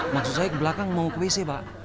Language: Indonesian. maksud saya ke belakang mau ke wc pak